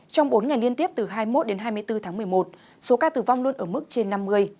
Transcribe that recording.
trong bốn ngày liên tiếp từ hai mươi một đến hai mươi bốn tháng một mươi một số ca tử vong luôn ở mức trên năm mươi